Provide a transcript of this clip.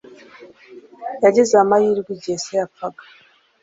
Yagize amahirwe igihe se yapfaga.